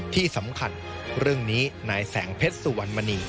ที่สำคัญเรื่องนี้นายแสงเพชรสุวรรณมณี